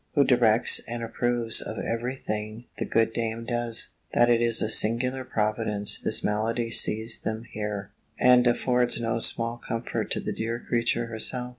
(who directs and approves of every thing the good dame does,) that it is a singular providence this malady seized them here; and affords no small comfort to the dear creature herself.